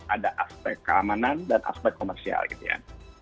ada aspek keamanan dan aspek komersial gitu ya